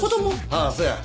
ああそうや。